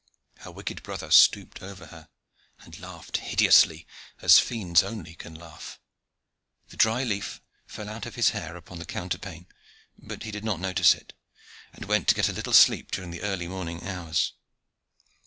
Her wicked brother stopped over her, and laughed hideously, as fiends only can laugh. The dry leaf fell out of his hair upon the counterpane; but he did not notice it, and went to get a little sleep during the early morning hours.